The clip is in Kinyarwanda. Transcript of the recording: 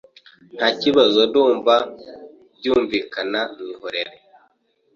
Ntakibazo ndumva byumvikana mwihorere